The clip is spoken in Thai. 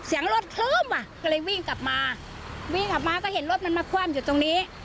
เสียงรถคลื้มอ่ะก็เลยวิ่งกลับมาวิ่งกลับมาก็เห็นรถมันมาคว่ำอยู่ตรงนี้